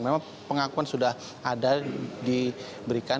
memang pengakuan sudah ada diberikan